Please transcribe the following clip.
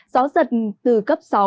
gió giật từ cấp sáu bảy